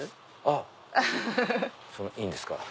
あっそんないいんですか。